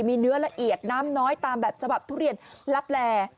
มีเนื้อละเอียดน้ำน้อยตามแบบฉบับทุเรียนลับแล